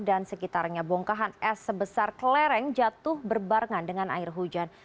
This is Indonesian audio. dan sekitarnya bongkahan es sebesar kelereng jatuh berbarengan dengan air hujan